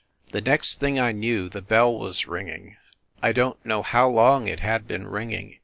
The next thing I knew the bell was ringing. I don t know how long it had been ringing